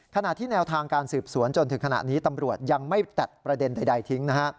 ขณะที่แนวทางการสืบสวนจนถึงขณะนี้ตำรวจยังไม่ตัดประเด็นใดทิ้งนะฮะ